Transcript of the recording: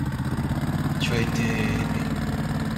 Tu as été aimé.